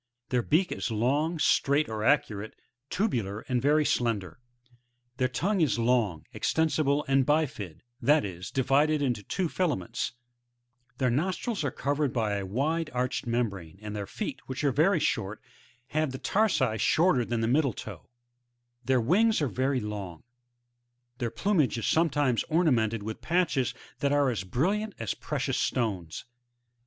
Their beak is long, straight or arcuate, tubular and very slender ; their tongue is long, extensible and bifid, that is, divided into two filaments ; their nostrils are covered by a wide arched membrane, and their feet, which are very short, have the tarsi shorter than the middle toe ; their wings are very long ; their plumage is sometimes ornamented with patches that are as brilliant as precious stones.